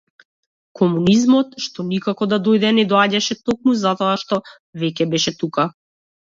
Комунизмот што никако да дојде, не доаѓаше токму затоа што веќе беше тука.